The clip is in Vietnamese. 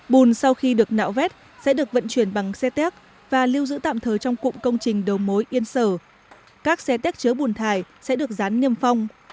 bùn sau khi được nạo vét sẽ được vận chuyển bằng xe téc và lưu giữ tạm thời trong cụm công trình đầu mối yên sở các xe téc chứa bùn thải sẽ được dán niêm phong